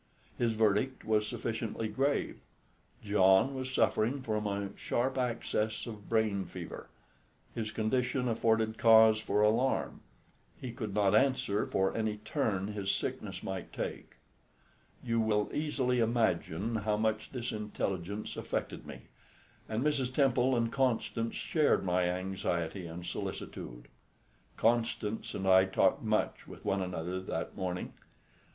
His verdict was sufficiently grave: John was suffering from a sharp access of brain fever; his condition afforded cause for alarm; he could not answer for any turn his sickness might take. You will easily imagine how much this intelligence affected me; and Mrs. Temple and Constance shared my anxiety and solicitude. Constance and I talked much with one another that morning.